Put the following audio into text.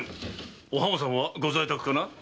お浜さんはご在宅かな？